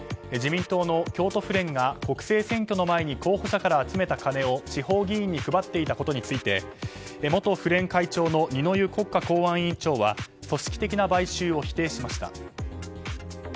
自民党の京都府連が国政選挙の前に候補者から集めた金を地方議員に配っていたことについて元府連会長の二之湯国家公安委員長は組織的な買収を否定しました。